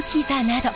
など